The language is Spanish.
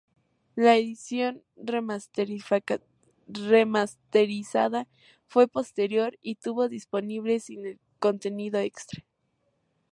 La edición remasterizada fue posterior, y estuvo disponible sin el contenido extra.